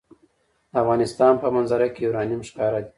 د افغانستان په منظره کې یورانیم ښکاره ده.